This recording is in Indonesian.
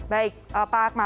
baik pak akma